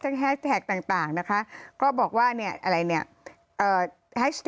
นะคะก็บอกว่าเนี่ยอะไรเนี่ยเอ่อ